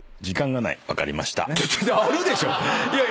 あるでしょ！